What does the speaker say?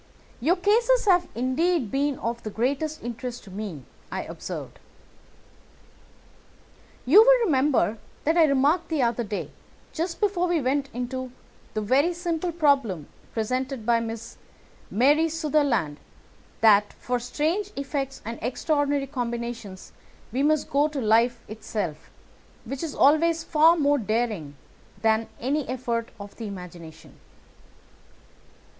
"Your cases have indeed been of the greatest interest to me," I observed. "You will remember that I remarked the other day, just before we went into the very simple problem presented by Miss Mary Sutherland, that for strange effects and extraordinary combinations we must go to life itself, which is always far more daring than any effort of the imagination."